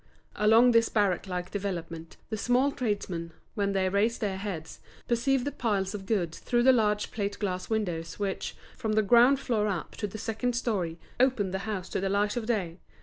Along this barrack like development, the small tradesmen, when they raised their heads, perceived the piles of goods through the large plate glass windows which, from the ground floor up to the second storey, opened the house to the light of day.